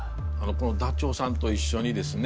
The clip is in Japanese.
このダチョウさんと一緒にですね